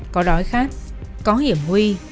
có đói khát có hiểm nguy